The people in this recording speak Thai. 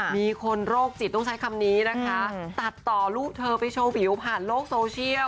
มีคนโรคจิตต้องใช้คำนี้นะคะตัดต่อรูปเธอไปโชว์วิวผ่านโลกโซเชียล